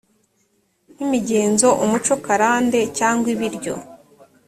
nk imigenzo umuco karande cyangwa ibiryo